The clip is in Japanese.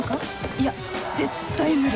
いや絶対無理！